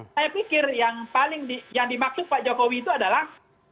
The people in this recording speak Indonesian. saya pikir yang paling yang dimaksud pak jokowi itu adalah